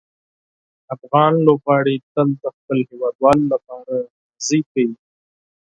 افغان لوبغاړي تل د خپلو هیوادوالو لپاره لوبه کوي.